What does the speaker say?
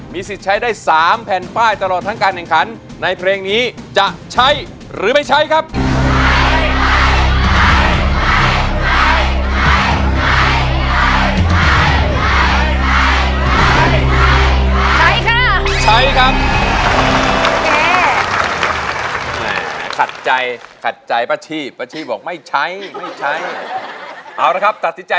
สิทธิ์ใช้ได้๓แผ่นป้ายตลอดทั้งการแข่งขันในเพลงนี้จะใช้หรือไม่ใช้ครับ